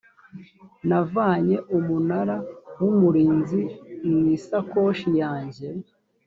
navanye umunara w umurinzi mu isakoshi yanjye